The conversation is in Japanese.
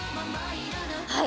はい。